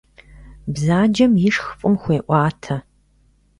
Бзаджэм ишх фӀым хуеӀуатэ.